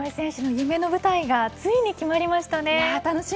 井上選手の夢の舞台がついに決まりましたね。